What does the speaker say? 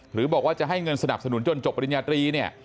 หรือบอกว่าจะให้เงินสนับสนุนจนจบปริญญาตรีเนี่ย